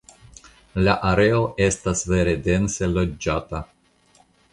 La areo estas vere dense loĝata.